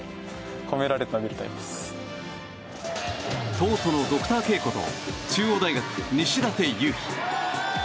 東都のドクターＫこと中央大学・西舘勇陽。